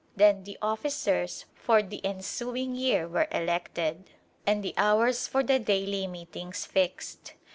Then the officers for the ensuing year were elected, and the hours for the daily meetings fixed.